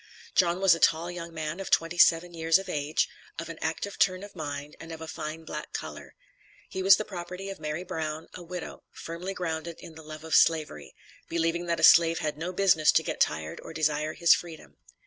John was a tall young man, of twenty seven years of age, of an active turn of mind and of a fine black color. He was the property of Mary Brown, a widow, firmly grounded in the love of Slavery; believing that a slave had no business to get tired or desire his freedom.